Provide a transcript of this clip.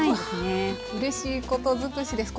うれしいこと尽くしです。